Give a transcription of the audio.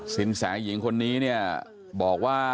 สินแสหญิงคนนี้เนี่ยบอกว่า